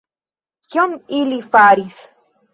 Kion ili faris?